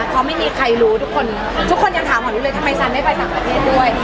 เพราะไม่มีใครรู้ทุกคนทุกคนยังถามหมอรู้เลยทำไมซันได้ไปต่างประเทศด้วย